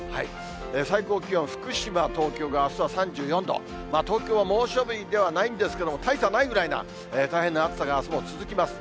最高気温、福島、東京があすは３４度、東京は猛暑日ではないんですけれども、大差ないぐらいな、大変な暑さがあすも続きます。